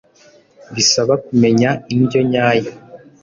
bisaba kumenya indyo nyayo